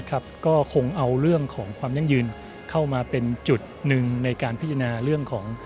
ก็คงเอาเรื่องของความยั่งยืนเข้ามาเป็นจุดหนึ่งในการพิจารณาเรื่องของ